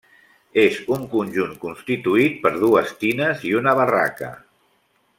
És un conjunt constituït per dues tines i una barraca.